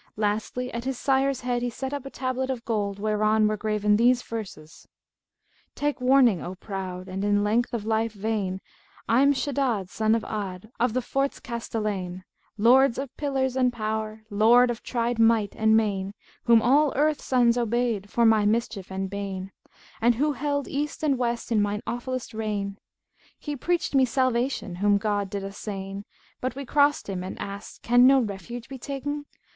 Lastly at his sire's head he set up a tablet of gold whereon were graven these verses, 'Take warning O proud, * And in length o' life vain! I'm Shaddбd son of Ad, * Of the forts castellain; Lord of pillars and power,* Lord of tried might and main, Whom all earth sons obeyed* For my mischief and bane And who held East and West* In mine awfullest reign. He preached me salvation * Whom God did assain,[FN#174] But we crossed him and asked * 'Can no refuge be ta'en?'